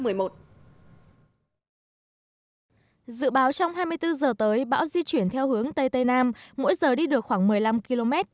dự báo trong hai mươi bốn h tới bão di chuyển theo hướng tây tây nam mỗi giờ đi được khoảng một mươi năm km